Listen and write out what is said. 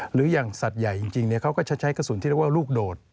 หรืออย่างสัตว์ใหญ่จริงเขาก็จะใช้กระสุนที่เรียกว่าลูกโดด